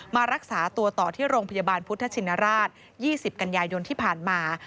มารักษาตัวต่อที่โรงพยาบาลพุทธชินราช๒๐กันยายนที่ผ่านมา